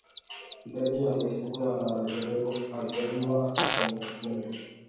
Idadi ya mifugo wanaoathiriwa kwenye kundi